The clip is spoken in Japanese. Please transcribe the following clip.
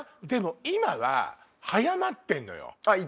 でも今は早まってんのよ。